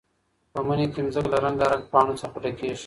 په مني کې ځمکه له رنګارنګ پاڼو څخه ډکېږي.